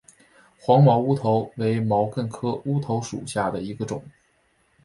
黄毛乌头为毛茛科乌头属下的一个种。